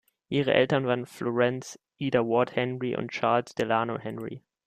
Ihre Eltern waren Florence Ida Ward Henry und Charles Delano Henry.